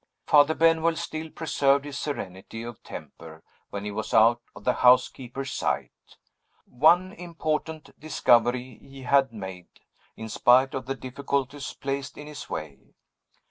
Father Benwell still preserved his serenity of temper when he was out of the housekeeper's sight. One important discovery he had made, in spite of the difficulties placed in his way.